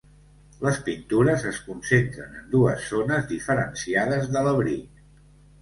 Les pintures es concentren en dues zones diferenciades de l'abric.